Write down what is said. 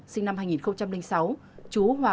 sinh năm hai nghìn sáu